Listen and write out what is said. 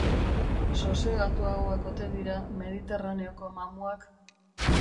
Sosegatuagoak ote dira Mediterraneoko mamuak?